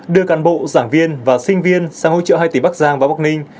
đưa cản bộ giảng viên và sinh viên sang hỗ trợ hai tỉnh bắc giang và bắc ninh